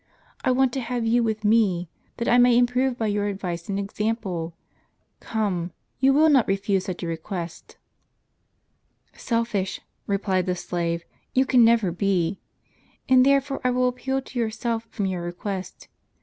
I want to have you with me, that I may improve by your advice and example. Come, you will not refuse such a request." " Selfish," replied the slave, " you can never be. And therefore I will appeal to yourself from your request.